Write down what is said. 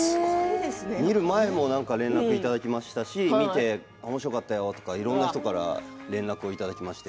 見る前も連絡をいただきましたしおもしろがっているとかいろんな人から連絡をいただきました。